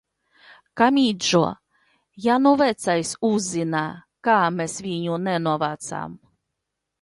Kamidžo, ja nu vecais uzzina, ka mēs viņu nenovācām?